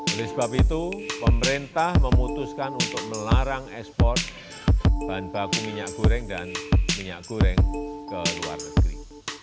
oleh sebab itu pemerintah memutuskan untuk melarang ekspor bahan baku minyak goreng dan minyak goreng ke luar negeri